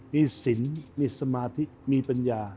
มีสินมีสมาธิมีปัญญา